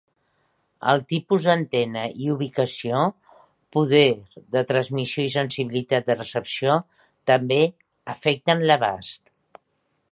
El tipus d'antena i ubicació, poder de transmissió i sensitivitat de recepció també afecten l'abast.